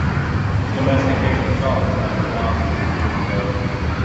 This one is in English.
The domestication of dogs happened thousands of years ago.